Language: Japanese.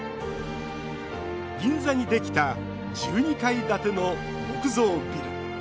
銀座にできた１２階建ての木造ビル。